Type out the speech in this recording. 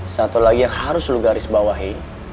satu lagi yang harus lu garis bawahi